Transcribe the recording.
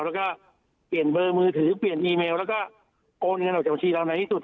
แล้วก็เปลี่ยนเบอร์มือถือเปลี่ยนอีเมลแล้วก็โอนเงินออกจากบัญชีเราในที่สุด